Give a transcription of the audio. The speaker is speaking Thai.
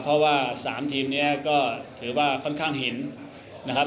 เพราะว่า๓ทีมนี้ก็ถือว่าค่อนข้างเห็นนะครับ